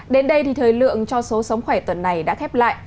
đến đây thì thời lượng cho số sống khỏe tuần này đã khép lại